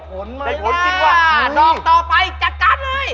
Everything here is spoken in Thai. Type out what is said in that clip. เฮ้ยใครมันล่ะ๕๕๕ผมกำลังต่อไปจัดการเลย